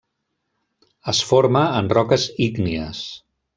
Es forma en roques ígnies.